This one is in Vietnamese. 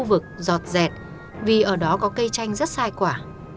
khu vực giọt vì ở đó có cây chanh rất sai quả